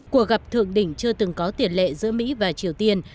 cuộc gặp thượng đỉnh chưa từng có tiền lệ giữa mỹ và triều tiên